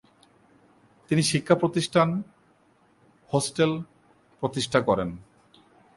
তিনি শিক্ষা প্রতিষ্ঠান, হোস্টেল প্রতিষ্ঠা করেন।